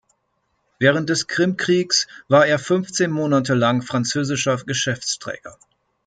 Während des Krimkriegs war er fünfzehn Monate lang französischer Geschäftsträger.